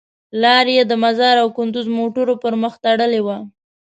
لار یې د مزار او کندوز موټرو پر مخ تړلې وه.